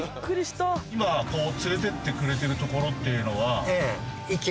今連れてってくれてるところというのは。